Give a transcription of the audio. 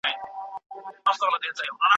کیسې ماشومانو ته هیله ورکوي.